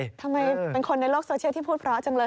ทำไมเป็นคนในโลกโซเชียลที่พูดเพราะจังเลย